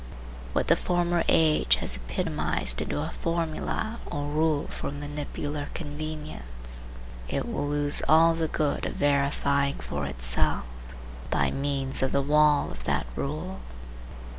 What the former age has epitomized into a formula or rule for manipular convenience, it will lose all the good of verifying for itself, by means of the wall of that rule.